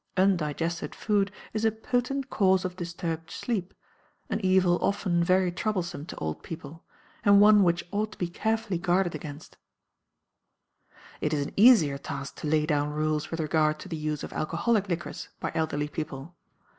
Undigested food is a potent cause of disturbed sleep, an evil often very troublesome to old people, and one which ought to be carefully guarded against. It is an easier task to lay down rules with regard to the use of alcoholic liquors by elderly people.